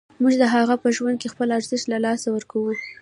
موږ د هغه په ژوند کې خپل ارزښت له لاسه ورکوو.